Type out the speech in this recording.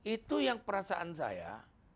itu yang perasaan saya